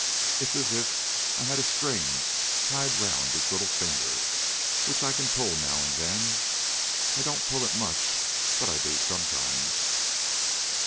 It's as if I had a string tied round his little finger, which I can pull now and then. I don't pull it much; but I do sometimes."